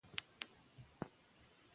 ماشومان د لوبو په ډګر کې تمرکز زده کوي.